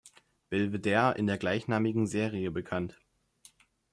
Belvedere" in der gleichnamigen Serie bekannt.